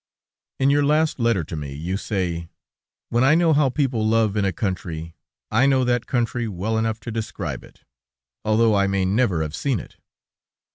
In your last letter to me, you say: "When I know how people love in a country, I know that country well enough to describe it, although I may never have seen it."